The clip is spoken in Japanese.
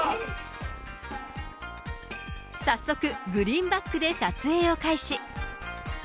早速、グリーンバックで撮影を開始。